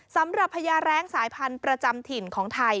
สำหรับพญาแรงสายพันธุ์ประจำถิ่นของไทย